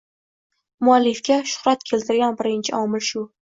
Muallifga shuhrat keltiradigan birinchi omil shu.